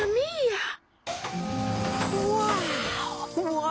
うわ！